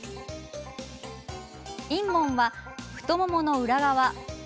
殷門は太ももの裏側。